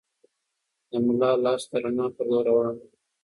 د ملا لاس د رڼا په لور روان و.